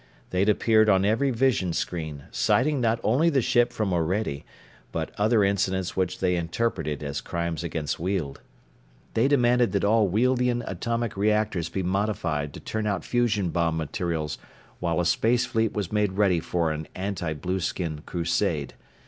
They'd appeared on every vision screen, citing not only the ship from Orede but other incidents which they interpreted as crimes against Weald. They demanded that all Wealdian atomic reactors be modified to turn out fusion bomb materials while a space fleet was made ready for an anti blueskin crusade.